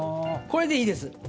これでいいです。